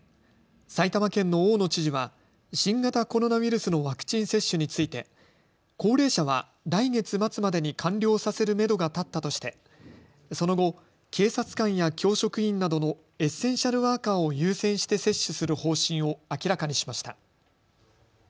埼玉県の大野知事は新型コロナウイルスのワクチン接種について高齢者は来月末までに完了させるめどが立ったとしてその後、警察官や教職員などのエッセンシャルワーカーを優先して接種する方針を明らかにしました。